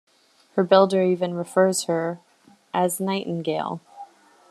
Her builder even refers to her as nightingale.